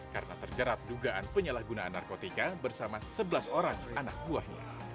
karena terjerat dugaan penyalahgunaan narkotika bersama sebelas orang anak buahnya